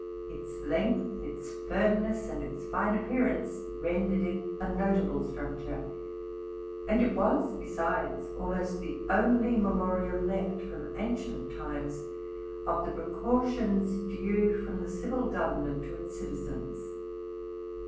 Its length, its firmness, and its fine appearance, rendered it a notable structure; and it was, besides, almost the only memorial left from ancient times of the precautions due from the civil government to its citizens.